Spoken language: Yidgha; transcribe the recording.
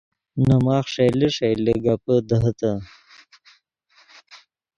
نے ماخ ݰئیلے ݰئیلے گپے دیہے تے